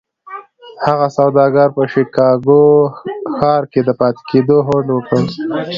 هغه سوداګر په شيکاګو ښار کې د پاتې کېدو هوډ وکړ.